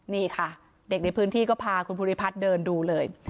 นี่ค่ะเด็กในพื้นที่ก็พาคุณภูริพัฒน์เดินดูเลย